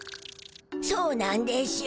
そうなんでしゅ。